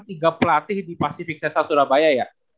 tiga pelatih di pacific sessile surabaya ya